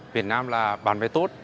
việt nam là bản vệ tốt